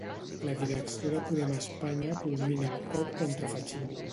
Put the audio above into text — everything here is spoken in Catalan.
La direcció de Podem a Espanya culmina el cop contra Fachín.